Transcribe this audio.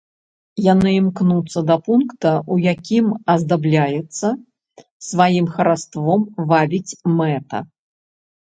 Яны імкнуцца да пункта, у якім аздабляецца, сваім хараством вабіць мэта.